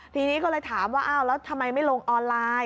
ทีนี้ก็เลยถามว่าอ้าวแล้วทำไมไม่ลงออนไลน์